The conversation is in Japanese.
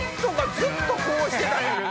ずっとこうしてたんやけど。